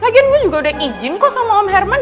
lagian gue juga udah izin kok sama om herman